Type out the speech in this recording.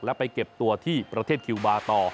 และไปเก็บตัวที่ประเทศคิวบาร์ต่อ